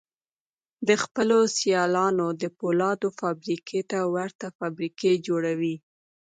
د خپلو سيالانو د پولادو فابريکو ته ورته فابريکې جوړوي.